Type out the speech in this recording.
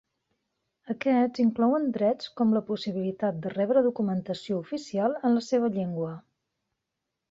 Aquests inclouen drets com la possibilitat de rebre documentació oficial en la seva llengua.